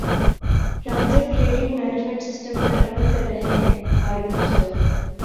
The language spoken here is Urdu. ٹرانزٹ ٹریڈ مینجمنٹ سسٹم پر عمل کر رہے ہیں ہارون اختر